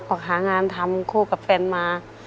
ออกหางานทำคู่กับแฟนมา